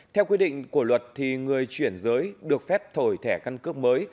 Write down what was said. theo quy định của luật thì người chuyển giới được phép thổi thẻ căn cước mới